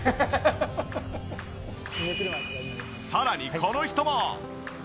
さらにこの人も。